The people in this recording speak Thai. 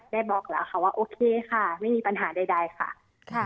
บอกแล้วค่ะว่าโอเคค่ะไม่มีปัญหาใดค่ะ